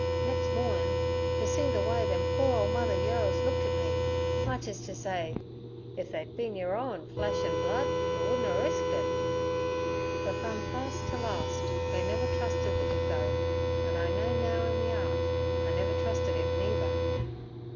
Nex' mornin' t' see ther way them poor ole mother yeos looked et me, much ez t' say, "If they'd bin yer owen flesh an' blood, yer wouldn' a risked it." Fer frum fust t' last they never trusted ther dingo, an' I know now in me 'art I never trusted 'im neither.'